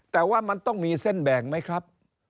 แต่ว่ามันต้องมีเส้นแบ่งไหมครับ